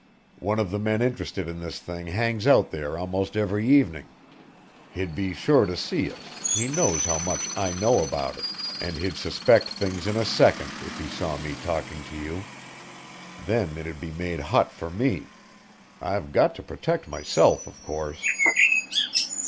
"One of the men interested in this thing hangs out there almost every evening. He'd be sure to see us, he knows how much I know about it, and he'd suspect things in a second if he saw me talking to you. Then it'd be made hot for me. I've got to protect myself, of course."